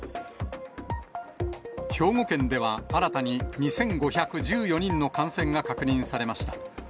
兵庫県では新たに２５１４人の感染が確認されました。